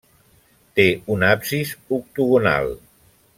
Té un absis octogonal.